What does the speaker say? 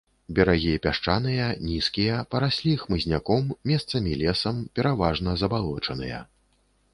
Берагі пясчаныя, нізкія, параслі хмызняком, месцамі лесам, пераважна забалочаныя.